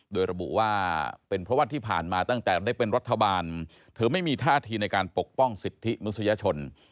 โดยระบุว่าเป็นเพราะว่าที่ผ่านมาตั้งแต่ได้เป็นรัฐบาลเธอไม่มีท่าทีในการปกป้องสิทธิมนุษยชน